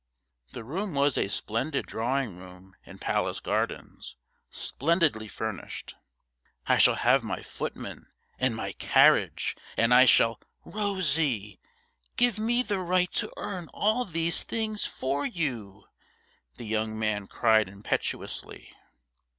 The room was a splendid drawing room in Palace Gardens, splendidly furnished. 'I shall have my footmen and my carriage, and I shall ' 'Rosie, give me the right to earn all these things for you!' the young man cried impetuously.